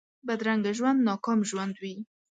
بدرنګه ژوند ناکام ژوند وي